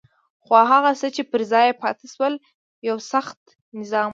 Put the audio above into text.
خو هغه څه چې پر ځای پاتې شول یو سخت نظام وو.